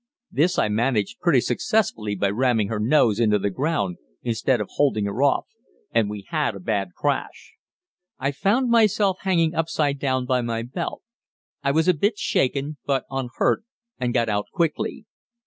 This I managed pretty successfully by ramming her nose into the ground instead of holding her off, and we had a bad crash. I found myself hanging upside down by my belt. I was a bit shaken but unhurt, and got out quickly.